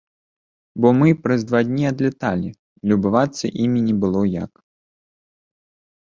Бо мы праз два дні адляталі і любавацца імі не было як.